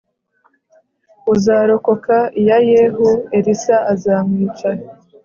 uzarokoka iya Yehu Elisa azamwica